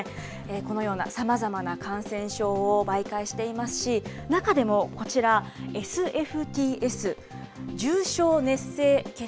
このようなさまざまな感染症を媒介していますし、中でもこちら、ＳＦＴＳ・重症熱性血